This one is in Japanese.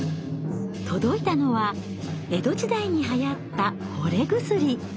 届いたのは江戸時代にはやった惚れ薬。